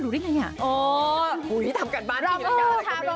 กับเพลงที่มีชื่อว่ากี่รอบก็ได้